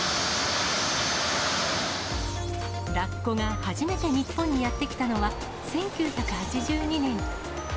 ラッコが初めて日本にやって来たのは、１９８２年。